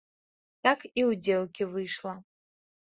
Так і ў дзеўкі выйшла.